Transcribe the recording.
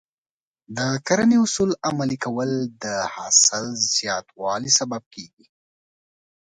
د کرنې اصول عملي کول د حاصل زیاتوالي سبب کېږي.